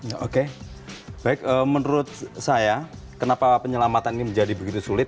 ya oke baik menurut saya kenapa penyelamatan ini menjadi begitu sulit